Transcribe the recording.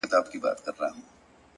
مهرباني د زړه یخ ویلې کوي.